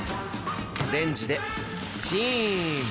レンジでスチム